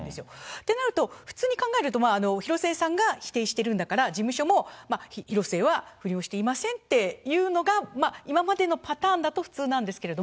ってなると、普通に考えると、広末さんが否定してるんだから、事務所も、広末は不倫をしていませんというのが、今までのパターンだと普通なんですけども。